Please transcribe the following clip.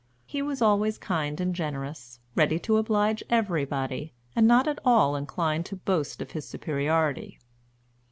He was always kind and generous, ready to oblige everybody, and not at all inclined to boast of his superiority.